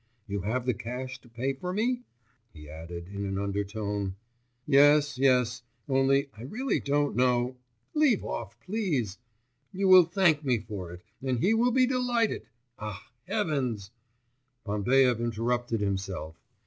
You have the cash to pay for me?' he added in an undertone. 'Yes, yes; only, I really don't know ' 'Leave off, please; you will thank me for it, and he will be delighted. Ah, heavens!' Bambaev interrupted himself.